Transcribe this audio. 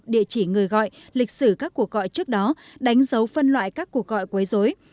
địa chỉ người gọi lịch sử các cuộc gọi trước đó đánh dấu phân loại các cuộc gọi quấy dối